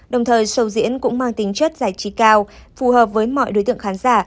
đồng thời sầu diễn cũng mang tính chất giải trí cao phù hợp với mọi đối tượng khán giả